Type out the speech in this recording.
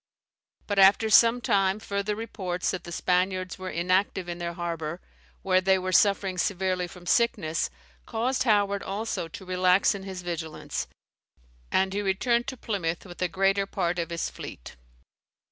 But after some time further reports that the Spaniards were inactive in their harbour, where they were suffering severely from sickness, caused Howard also to relax in his vigilance; and he returned to Plymouth with the greater part of his fleet.